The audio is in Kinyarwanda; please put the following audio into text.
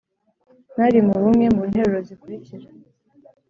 nari mu bumwe mu nteruro zikurikira